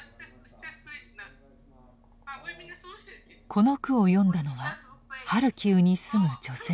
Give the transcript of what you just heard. この句を詠んだのはハルキウに住む女性でした。